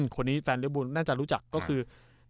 คนนี้แฟนเรียร์บูน่าจะรู้จักก็คือ